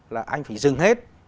là anh phải dừng hết